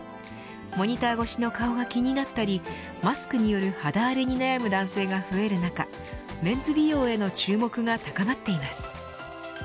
モニター越しの顔が気になったりマスクによる肌荒れに悩む男性が増える中メンズ美容への注目が高まっています。